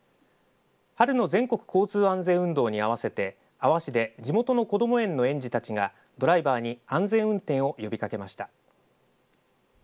春の全国交通安全運動に合わせて阿波市で地元のこども園の園児たちがドライバーたちに安全運転を呼びかけました。